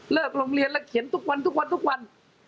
เลิภโรงเรียนเรื่องเขียนทุกวันทุกวัน